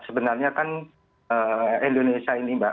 sebenarnya kan indonesia ini mbak